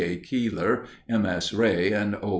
A. Keeler, M. S. Ray, and O.